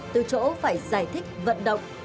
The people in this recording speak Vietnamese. từ chỗ phải giải thích vận động